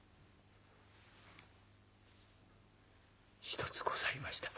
「一つございました」。